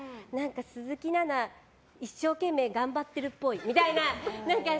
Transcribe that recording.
鈴木奈々、一生懸命頑張ってるっぽいみたいな。